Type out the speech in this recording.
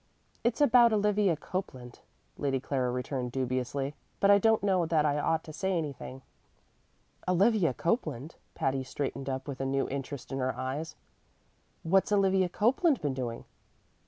"It's about Olivia Copeland," Lady Clara returned dubiously; "but I don't know that I ought to say anything." "Olivia Copeland?" Patty straightened up with a new interest in her eyes. "What's Olivia Copeland been doing?"